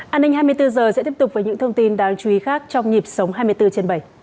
an ninh hai mươi bốn h sẽ tiếp tục với những thông tin đáng chú ý khác trong nhịp sống hai mươi bốn trên bảy